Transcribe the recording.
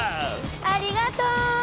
ありがとう！